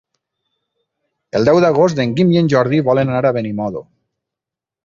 El deu d'agost en Guim i en Jordi volen anar a Benimodo.